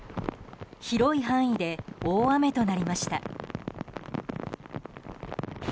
広い範囲で大雨となりました。